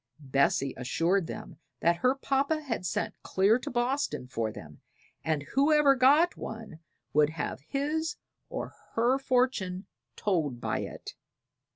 Bessie assured them that her papa had sent clear to Boston for them, and whoever got one would have his or her fortune told by it.